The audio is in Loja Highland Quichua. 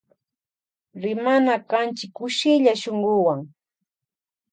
Rimana kanchi kushilla shunkuwan.